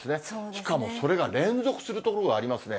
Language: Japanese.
しかもそれが連続するところがありますね。